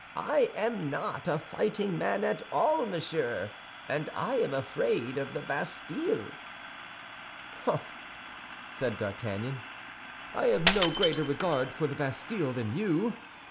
I am not a fighting man at all, monsieur, and I am afraid of the Bastille." "Hum!" said D'Artagnan. "I have no greater regard for the Bastille than you.